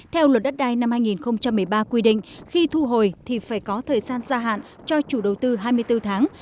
theo luật đất đai năm hai nghìn một mươi ba quy định khi thu hồi thì phải có thời gian gia hạn cho chủ đầu tư hai mươi bốn tháng